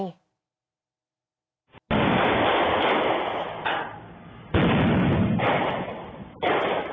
นี่ค่ะ